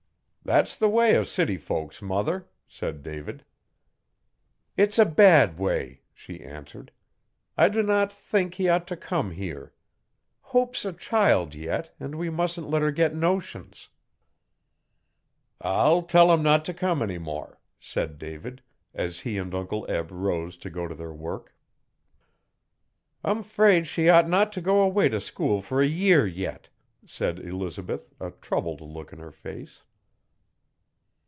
'That's the way o' city folks, mother,' said David. 'It's a bad way,' she answered. 'I do not thank he ought to come here. Hope's a child yet, and we mustn't let her get notions.' 'I'll tell him not t' come any more,' said David, as he and Uncle Eb rose to go to their work.' 'I'm 'fraid she ought not to go away to school for a year yet,' said Elizabeth, a troubled look in her face.